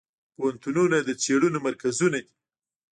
پوهنتونونه د څیړنو مرکزونه دي.